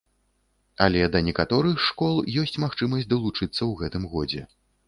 Але да некаторых з школ ёсць магчымасць далучыцца ў гэтым годзе.